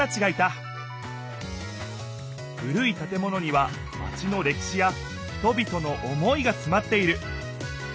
古い建物にはマチのれきしや人びとの思いがつまっている。